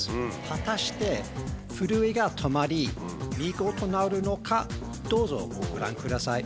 果たして震えが止まり、見事治るのか、どうぞ、ご覧ください。